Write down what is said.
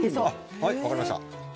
はい分かりました。